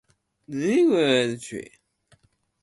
何もかも新しい瞬間